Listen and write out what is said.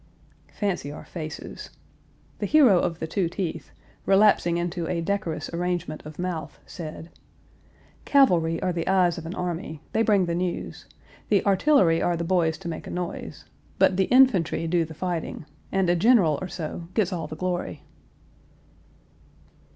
Fancy our faces. The hero of the two teeth, relapsing into a decorous arrangement of mouth, said: "Cavalry are the eyes of an army; they bring the news; the artillery are the boys to make a noise; but the infantry do the fighting, and a general or so gets all the glory."